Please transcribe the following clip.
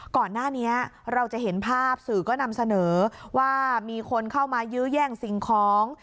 ก่อนหน้านี้เราจะเห็นภาพสื่อก็นำเสนอว่ามีคนเข้ามายื้อแย่งสิ่งของ